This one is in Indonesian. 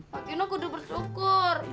pak gino aku udah bersyukur